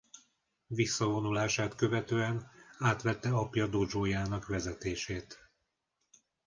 Visszavonulását követően átvette apja dódzsójának vezetését.